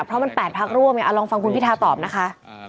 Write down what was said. เพราะมัน๘พักร่วมไงลองฟังคุณพิทาตอบนะคะ